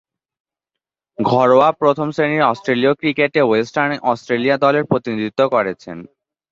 ঘরোয়া প্রথম-শ্রেণীর অস্ট্রেলীয় ক্রিকেটে ওয়েস্টার্ন অস্ট্রেলিয়া দলের প্রতিনিধিত্ব করেছেন।